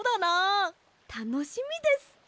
たのしみです。